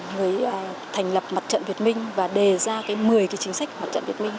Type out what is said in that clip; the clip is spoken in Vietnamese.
người thành lập mặt trận việt minh và đề ra một mươi cái chính sách mặt trận việt minh